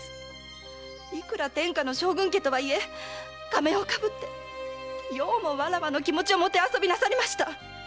いくら天下の将軍家とはいえ仮面を被ってようもわらわの気持ちをもてあそびなさりました！